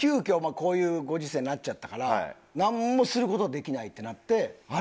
こういうご時世になっちゃったからなんもする事できないってなって。